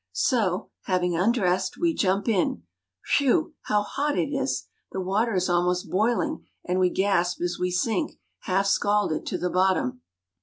So, having undressed, we jump in. Whew ! How hot it is ! The water is almost boiling, and we gasp as we sink, half scalded, to the bottom.